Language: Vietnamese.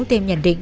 thêm nhận định